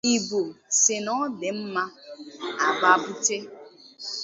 Igbo sị na ọ na-adị mma a gbaa bute